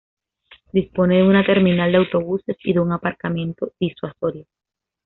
Dispone de una terminal de autobuses y de un aparcamiento disuasorio.